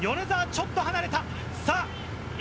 米澤、ちょっと離れた。